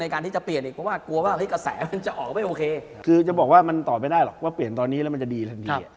คือจะบอกว่ามันต่อไปได้หรอกว่าเปลี่ยนตอนนี้แล้วมันจะดีทันที